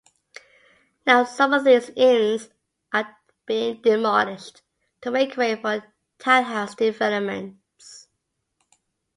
Now some of these inns are being demolished to make way for townhouse developments.